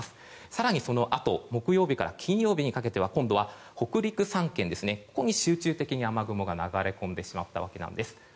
更にそのあと木曜日から金曜日にかけては今度は北陸３県に集中的に雨雲が流れ込んでしまったわけです。